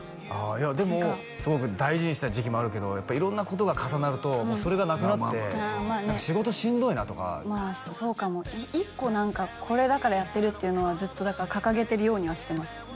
ああいやでもすごく大事にした時期もあるけど色んなことが重なるとそれがなくなって何か仕事しんどいなとかまあそうかも１個何かこれだからやってるっていうのはずっと掲げてるようにはしてます